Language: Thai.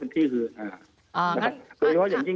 ถือว่าช่วงพี่คือ